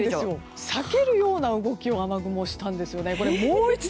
避けるような動きを雨雲がしたんですよね。